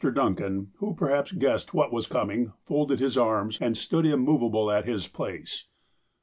Duncan, who perhaps guessed what was coming, folded his arms, and stood im movable at his place.